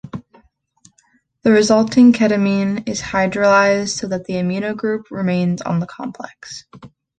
The resulting ketimine is hydrolysed so that the amino group remains on the complex.